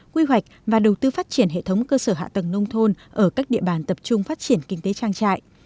quy hoạch và đầu tư phát triển hệ thống cơ sở hạ tầng nông thôn ở các địa bàn tập trung phát triển kinh tế trang trại